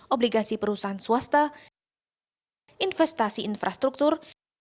obligasi perusahaan swasta investasi infrastruktur